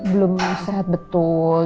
belum sehat betul